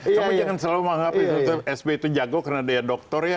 kamu jangan selalu menganggap sby itu jago karena dia doktor ya